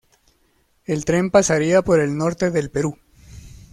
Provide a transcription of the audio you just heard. El tren pasaría por el norte del Perú.